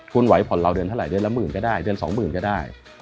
คุณไหวผ่อนเราเดือนเท่าไหรเดือนละหมื่นก็ได้เดือนสองหมื่นก็ได้